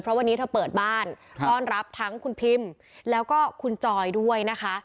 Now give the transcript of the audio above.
เพราะวันนี้เธอเปิดบ้านต้อนรับทั้งคุณพิมแล้วก็คุณจอยด้วยนะคะ